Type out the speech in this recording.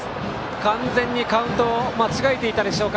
完全にカウントを間違えていたでしょうか。